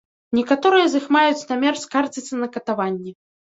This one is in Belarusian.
Некаторыя з іх маюць намер скардзіцца на катаванні.